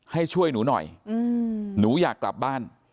ให้ช่วยหนูหน่อยหนูอยากกลับบ้าน